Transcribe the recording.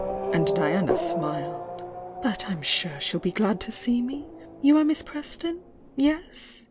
And Diana smiled. "But I'm sure ■he'll be glad to see me. You are Miss Preston? Yes?